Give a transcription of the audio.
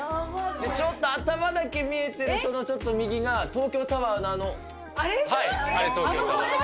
ちょっと頭だけ見えてるそのちょっと右が東京タワーの、あの。